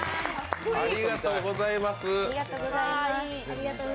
ありがとうございます。